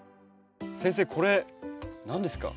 先生これ何ですか？